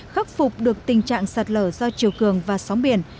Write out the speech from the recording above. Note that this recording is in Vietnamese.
khắc phục được tình trạng sạt lở do chiều cường và sóng biển